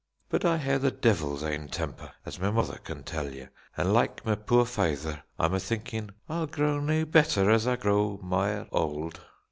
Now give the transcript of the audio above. But I hae the deevil's ain temper, as my mither call tell ye, an' like my puir fayther, I'm a thinkin', I'll grow nae better as I grow mair auld."